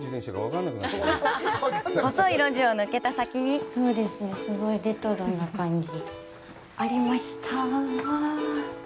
細い路地を抜けた先にすごいレトロな感じ。ありました。